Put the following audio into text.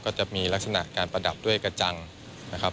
ก็จะมีลักษณะการประดับด้วยกระจังนะครับ